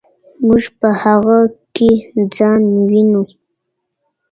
موږ په هغه کې ځان وینو.